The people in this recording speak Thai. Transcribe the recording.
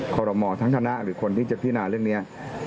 ขอรมอทั้งคณะหรือคนที่จะพินาเรื่องนี้